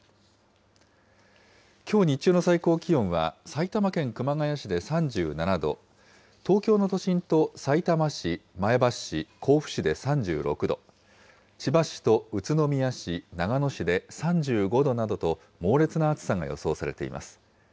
きょう日中の最高気温は、埼玉県熊谷市で３７度、東京の都心とさいたま市、前橋市、甲府市で３６度、千葉市と宇都宮市、長野市で３５度などと、猛烈な暑さが予想されています。